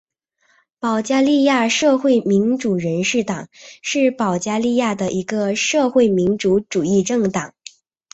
保加利亚社会民主人士党是保加利亚的一个社会民主主义政党。